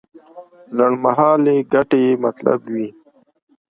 لنډمهالې ګټې یې مطلب وي.